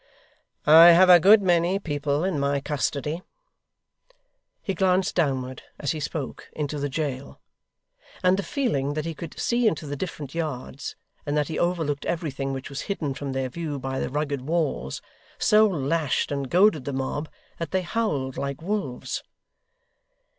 'I have a good many people in my custody.' He glanced downward, as he spoke, into the jail: and the feeling that he could see into the different yards, and that he overlooked everything which was hidden from their view by the rugged walls, so lashed and goaded the mob, that they howled like wolves.